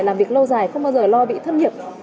làm việc lâu dài không bao giờ lo bị thất nghiệp